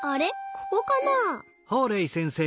ここかなあ？